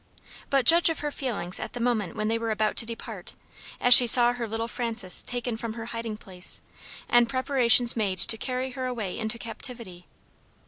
But judge of her feelings at the moment when they were about to depart, as she saw her little Frances taken from her hiding place, and preparations made to carry her away into captivity.